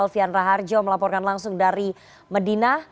fianra harjo melaporkan langsung dari medina